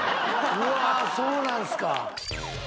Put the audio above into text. うわそうなんすか。